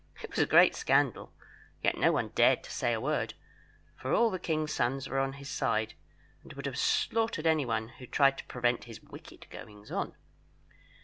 It was a great scandal, yet no one dared to say a word, for all the king's sons were on his side, and would have slaughtered anyone who tried to prevent his wicked goings on.